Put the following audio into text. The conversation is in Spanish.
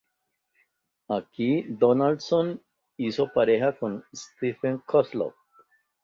Aquí Donaldson hizo pareja con Stefan Kozlov.